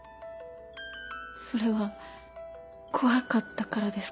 それは怖かったからですか？